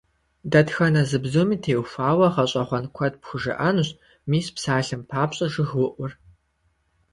Дэтхэнэ зы бзуми теухуауэ гъэщӀэгъуэн куэд пхужыӀэнущ, мис псалъэм папщӀэ жыгыуӀур.